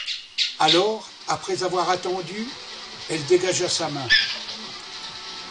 Alors, après avoir attendu, elle dégagea sa main.